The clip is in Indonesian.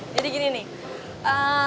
jadi gini nih